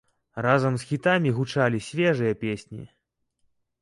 Разам з хітамі гучалі свежыя песні.